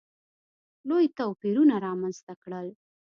لوی توپیرونه رامځته کړل.